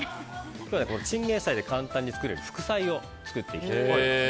今日はチンゲンサイで簡単に作れる副菜を作っていきます。